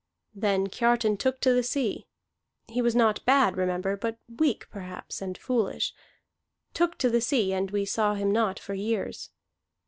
Then Kiartan took to the sea he was not bad, remember, but weak perhaps and foolish took to the sea, and we saw him not for years.